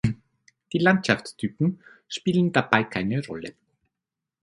Die Landschaftstypen spielen dabei keine Rolle.